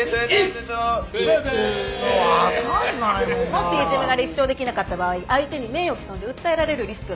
もしいじめが立証できなかった場合相手に名誉毀損で訴えられるリスクがあんのよ。